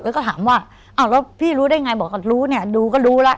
แล้วก็ถามว่าอ้าวแล้วพี่รู้ได้ไงบอกว่ารู้เนี่ยดูก็รู้แล้ว